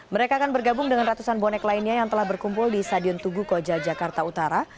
mereka akan bergabung dengan ratusan bonek lainnya yang telah berkumpul di stadion tugu koja jakarta utara